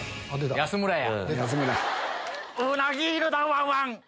安村や。